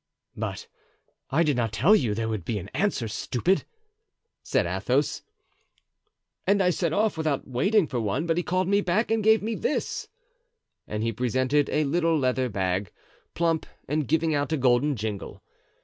"But I did not tell you there would be an answer, stupid!" said Athos. "And I set off without waiting for one, but he called me back and gave me this;" and he presented a little leather bag, plump and giving out a golden jingle.